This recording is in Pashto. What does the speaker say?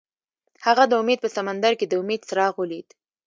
هغه د امید په سمندر کې د امید څراغ ولید.